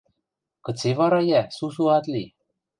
Кыце вара, йӓ, сусу ат ли?